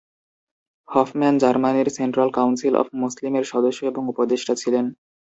Hofmann জার্মানির central council of Muslim এর সদস্য এবং উপদেষ্টা ছিলেন।